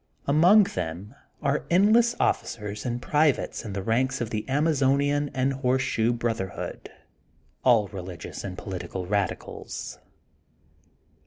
Among them are endless officers and privates in the ranks of the Amazonian and the Horseshoe Brotherhood, all religious and political radicals.